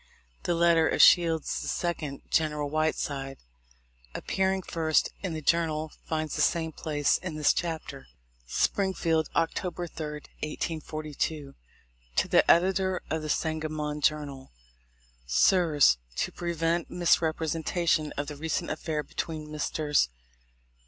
The letter of Shields' second, General Whiteside, appearing first in the Journal, finds the same place in this chapter : "Springfield, Oct. 3, 1842. "To the Editor of the Sangamon Journal: "Sirs: To prevent misrepresentation of the recent affair between Messrs.